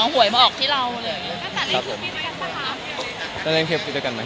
ก็เล่นคลิปด้วยกันมั้ย